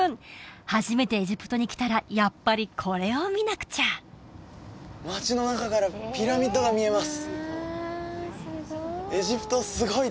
初めてエジプトに来たらやっぱりこれを見なくちゃ町の中からピラミッドが見えます